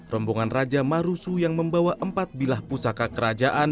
rombongan raja marusu yang membawa empat bilah pusaka kerajaan